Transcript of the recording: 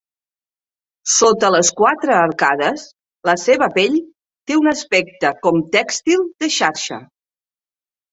Sota les quatre arcades, la seva pell té un aspecte com tèxtil, de xarxa.